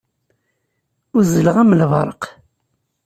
Uzzleɣ am lberq.